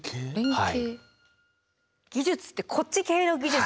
技術ってこっち系の技術。